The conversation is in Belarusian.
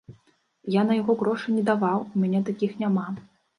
Я на яго грошы не даваў, у мяне такіх няма.